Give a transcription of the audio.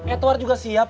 etwar juga siap